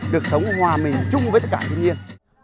được sống hòa mình chung với tất cả thiên nhiên